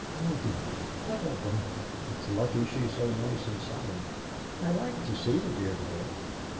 Oh, dear, what a bump! It's lucky she's so nice and solid. I like to see the dear boy.